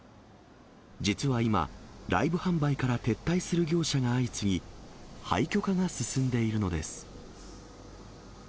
実は今、ライブ販売から撤退する業者が相次ぎ、廃墟化が進んでいるのです。